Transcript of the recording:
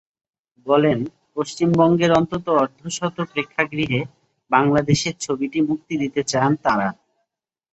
বলেন, পশ্চিমবঙ্গের অন্তত অর্ধশত প্রেক্ষাগৃহে বাংলাদেশের ছবিটি মুক্তি দিতে চান তাঁরা।